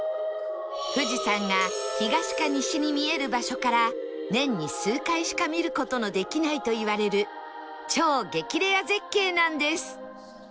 富士山が東か西に見える場所から年に数回しか見る事のできないといわれる超激レア絶景なんです